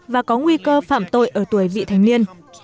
và có nguy cơ phạm tội ở tuổi vị thành niên